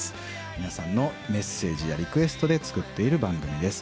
皆さんのメッセージやリクエストで作っている番組です。